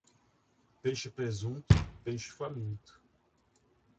Peixe presunto, peixe faminto.